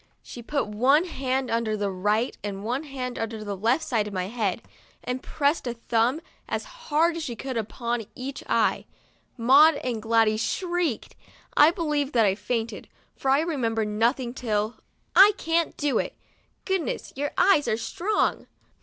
She put one hand under the right and one hand under the left side of my head, and pressed a thumb, as hard as she could, upon each eye. Maud and Gladys shrieked. I believe that I fainted, for I remember nothing till, "I can't do it. Goodness, your THURSDAY— SPANKED eyes are strong.'